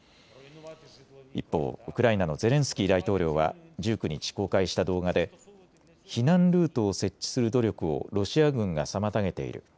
一方、ウクライナのゼレンスキー大統領は１９日、公開した動画で避難ルートを設置する努力をロシア軍が妨げている。